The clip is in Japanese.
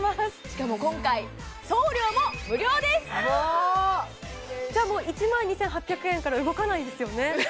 しかも今回うわ嬉しいじゃあもう１万２８００円から動かないですよね？